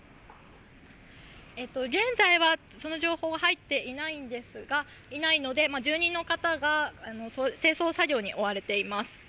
現在はその情報は入っていないので、住人の方が清掃作業に追われています。